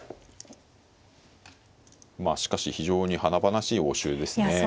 まあしかし非常に華々しい応酬ですね。